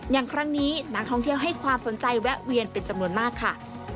อย่างครั้งนี้นักท่องเที่ยวให้ความสนใจแวะเวียนเป็นจำนวนมากค่ะ